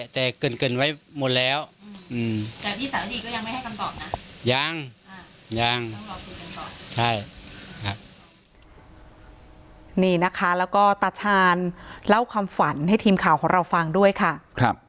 แต่เกินไว้หมดแล้วอย่างยังใช่นี่นะคะแล้วก็ตัดฐานเล่าความฝันให้ทีมข่าวของเราฟังด้วยค่ะ